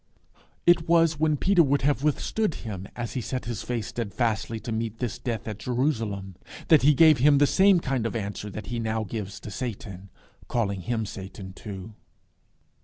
It was when Peter would have withstood him as he set his face steadfastly to meet this death at Jerusalem, that he gave him the same kind of answer that he now gave to Satan, calling him Satan too.